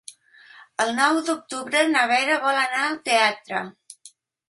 El nou d'octubre na Vera vol anar al teatre.